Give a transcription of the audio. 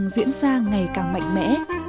các biến văn hóa đang diễn ra ngày càng mạnh mẽ